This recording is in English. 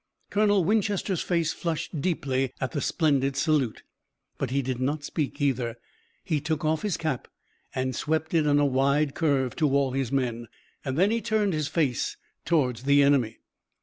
Colonel Winchester's face flushed deeply at the splendid salute, but he did not speak either. He took off his cap and swept it in a wide curve to all his men. Then he turned his face toward the enemy.